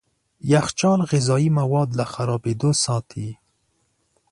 يخچال غذايي مواد له خرابېدو ساتي.